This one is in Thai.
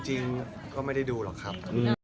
จริงก็ไม่ได้ดูหรอกครับ